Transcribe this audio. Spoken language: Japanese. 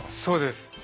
そうです。